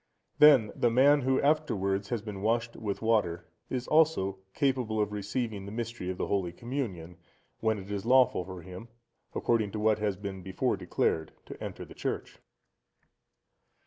Then the man, who, afterwards, has been washed with water, is also capable of receiving the Mystery of the Holy Communion, when it is lawful for him, according to what has been before declared, to enter the church.